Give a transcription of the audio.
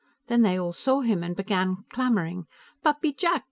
Then they all saw him and began clamoring: "_Pa pee Jaaak!